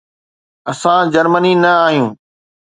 اسان جرمني نه آهيون.